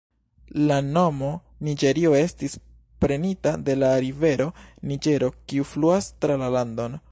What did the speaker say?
La nomo Niĝerio estis prenita de la rivero Niĝero kiu fluas tra la landon.